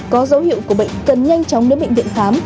có dấu hiệu của bệnh cần nhanh chóng đến bệnh viện khám